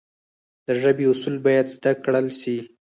د ژبي اصول باید زده کړل سي.